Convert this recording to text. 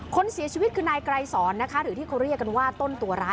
คนเสียชีวิตคือนายไกรสอนนะคะหรือที่เขาเรียกกันว่าต้นตัวร้าย